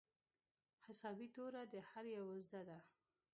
حسابي توره د هر يوه زده وه.